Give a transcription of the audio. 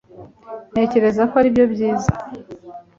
Ntekereza ko aribyo byiza